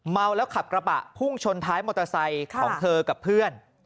เมาแล้วขับกระบะพุ่งชนท้ายมอเตอร์ไซค์ของเธอกับเพื่อน